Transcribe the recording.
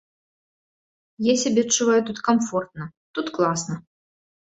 Я сябе адчуваю тут камфортна, тут класна.